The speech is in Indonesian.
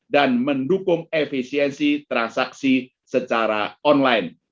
mendukung efisiensi transaksi secara online